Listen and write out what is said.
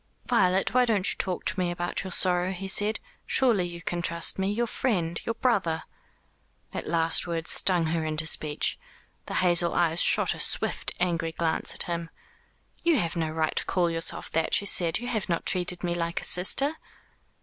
"Violet, why don't you talk to me about your sorrow?" he said. "Surely you can trust me your friend your brother!" That last word stung her into speech. The hazel eyes shot a swift angry glance at him. "You have no right to call yourself that," she said, "you have not treated me like a sister."